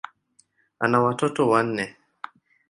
Ana watoto wanne.